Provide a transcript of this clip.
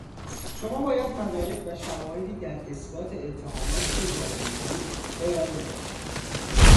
شما باید مدارک و شواهدی در اثبات اتهاماتی که وارد میکنید ارائه بدهید.